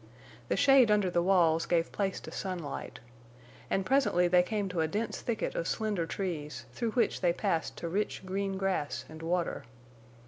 The shade under the walls gave place to sunlight. And presently they came to a dense thicket of slender trees, through which they passed to rich, green grass and water.